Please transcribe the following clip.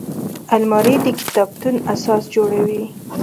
الماري د کتابتون اساس جوړوي